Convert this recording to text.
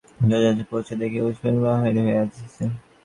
যথাস্থানে পৌঁছিয়া দেখিল উপাসকেরা বাহির হইয়া আসিতেছে।